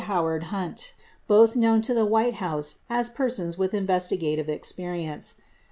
Howard Hunt, both known to the White House as persons with investigative experience.